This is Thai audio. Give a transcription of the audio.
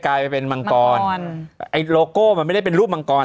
กลายเป็นมังกรไอ้โลโก้มันไม่ได้เป็นรูปมังกร